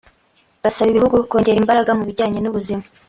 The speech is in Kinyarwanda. basaba ibihugu kongera imbaraga mu bijyanye n’ubuzima